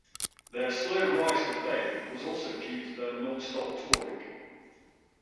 Their slow rise to fame was also due to their non-stop touring.